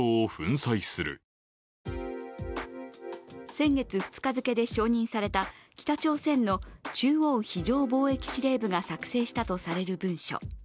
先月２日付で承認された北朝鮮の中央非常防疫司令部が作成したとされる文書。